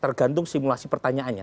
tergantung simulasi pertanyaannya